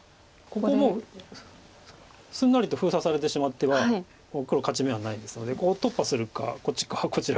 ここすんなりと封鎖されてしまっては黒勝ち目はないですのでここ突破するかこちらか。